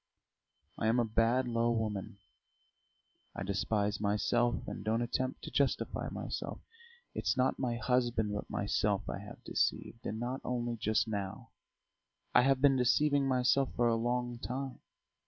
I am a bad, low woman; I despise myself and don't attempt to justify myself. It's not my husband but myself I have deceived. And not only just now; I have been deceiving myself for a long time.